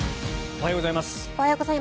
おはようございます。